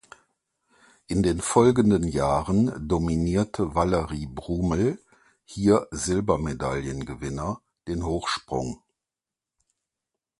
In den folgenden Jahren dominierte Waleri Brumel, hier Silbermedaillengewinner, den Hochsprung.